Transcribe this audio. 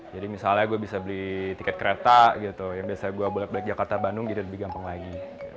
jadi misalnya saya bisa beli tiket kereta gitu yang biasa saya balik balik jakarta bandung jadi lebih gampang lagi